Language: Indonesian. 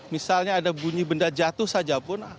misalnya ada bunyi benda jatuh saja pun